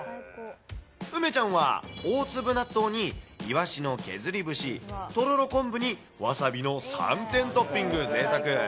梅ちゃんは大粒納豆にイワシの削り節、とろろ昆布にわさびの３点トッピング、ぜいたく。